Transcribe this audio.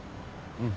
うん。